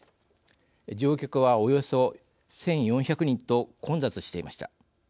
乗客は、およそ１４００人と混雑していました。